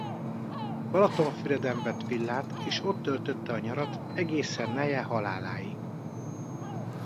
Balatonfüreden vett villát és ott töltötte a nyarat egészen neje haláláig.